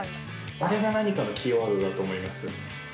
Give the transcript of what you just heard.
あれが何かのキーワードだと思います。